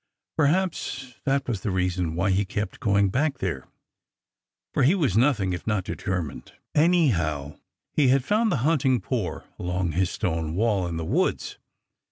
Perhaps that was the reason why he kept going back there, for he was nothing if not determined. Anyhow, he had found the hunting poor along his stone wall in the woods.